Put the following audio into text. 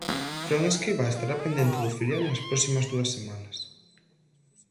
Fran Escribá estará pendente do filial nas próximas dúas semanas.